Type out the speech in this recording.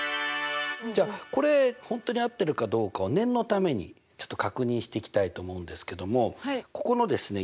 じゃあこれ本当に合ってるかどうかを念のためにちょっと確認していきたいと思うんですけどもここのですね